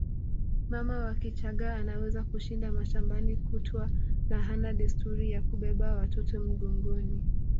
Mama wa Kichagga anaweza kushinda shambani kutwa na hana desturi ya kubeba watoto mgongoni